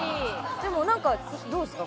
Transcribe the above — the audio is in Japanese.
でもなんかどうですか？